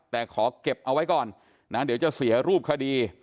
แต่ขอเก็บเอาไว้ก่อนนะเดี๋ยวจะเสียรูปคดี